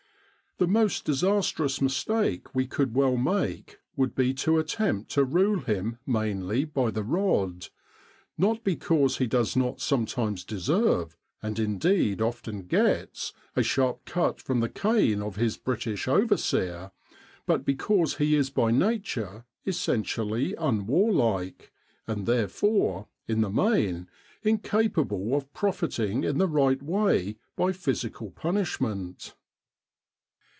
The most disastrous mistake we could well make would be to attempt to rule him mainly by the rod; not because he does not some times deserve, and indeed often gets, a sharp cut from the cane of his British overseer, but because he is by nature essentially unwarlike, and therefore, in the main, incapable of profiting in the right way by physical punishment.